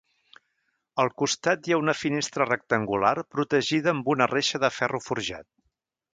Al costat hi ha una finestra rectangular protegida amb una reixa de ferro forjat.